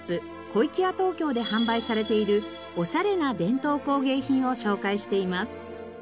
小粋屋東京で販売されているおしゃれな伝統工芸品を紹介しています。